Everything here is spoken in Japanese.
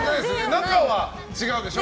中は違うでしょ。